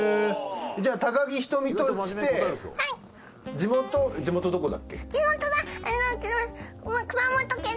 じゃあ高木ひとみとして地元地元どこだっけ？